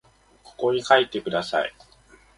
ここに書いてください